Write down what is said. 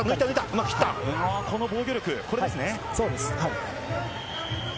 この防御力、これですね。